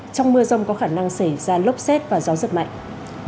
trong mưa rông có khả năng xảy ra lốc xét và gió giật mạnh